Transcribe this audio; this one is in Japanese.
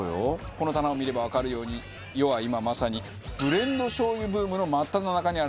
この棚を見ればわかるように世は今まさにブレンドしょう油ブームの真っただ中にあるのです。